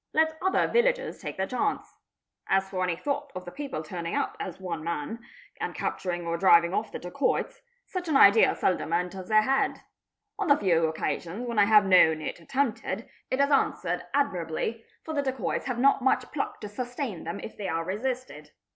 Let*other villages take their chance. As for any thought of the people turning out — as one man, and capturing or driving off the dacoits, such an idea seldom ' enters their heads. On the few occasions when I have known it attempted, : it has answered admirably, for the dacoits have not much pluck to sustain them if they are resisted.